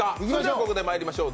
ここでまいりましょう。